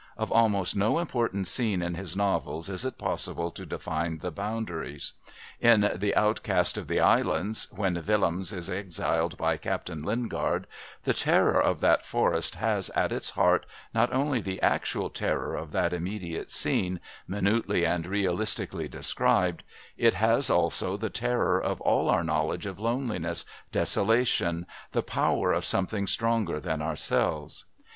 Of almost no important scene in his novels is it possible to define the boundaries. In The Outcast of the Islands, when Willems is exiled by Captain Lingard, the terror of that forest has at its heart not only the actual terror of that immediate scene, minutely and realistically described it has also the terror of all our knowledge of loneliness, desolation, the power of something stronger than ourselves.